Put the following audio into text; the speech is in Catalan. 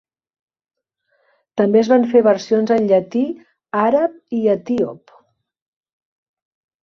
També es van fer versions en llatí, àrab i etíop.